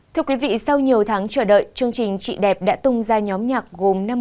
thưa quý vị sau nhiều tháng chờ đợi chương trình chị đẹp đã tung ra nhóm nhạc gồm